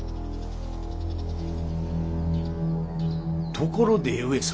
ところで上様。